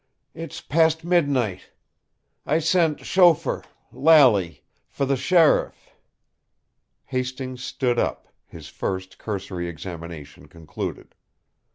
It's past midnight. I sent chauffeur Lally for the sheriff." Hastings stood up, his first, cursory examination concluded.